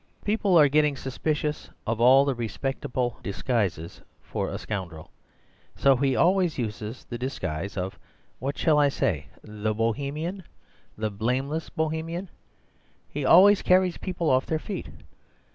People are getting suspicious of all the respectable disguises for a scoundrel; so he always uses the disguise of—what shall I say—the Bohemian, the blameless Bohemian. He always carries people off their feet.